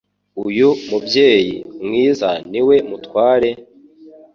Uyu mubyeyi mwiza niwe mutware?